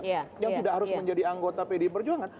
yang tidak harus menjadi anggota pdi perjuangan